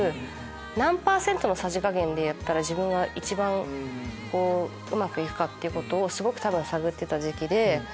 何パーセントのさじ加減でやったら自分が一番うまくいくか？っていうことをすごく探ってた時期で。